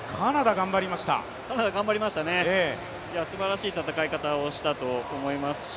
頑張りましたね、すばらしい戦い方をしたと思いますし